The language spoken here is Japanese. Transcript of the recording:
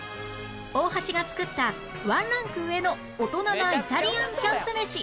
大橋が作ったワンランク上の大人なイタリアンキャンプ飯